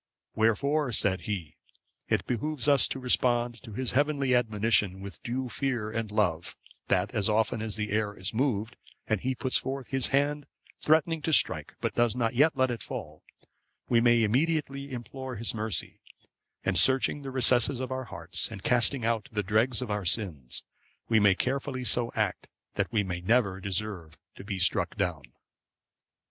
Wherefore," said he, "it behoves us to respond to His heavenly admonition with due fear and love; that, as often as the air is moved and He puts forth His hand threatening to strike, but does not yet let it fall, we may immediately implore His mercy; and searching the recesses of our hearts, and casting out the dregs of our sins, we may carefully so act that we may never deserve to be struck down."